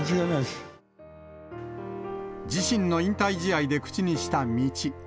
自身の引退試合で口にした道。